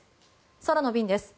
空の便です。